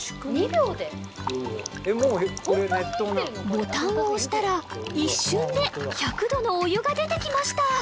ボタンを押したら一瞬で１００度のお湯が出てきました